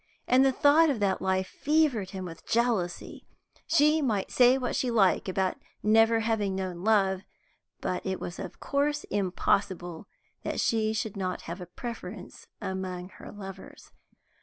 And the thought of that life fevered him with jealousy. She might say what she liked about never having known love, but it was of course impossible that she should not have a preference among her lovers.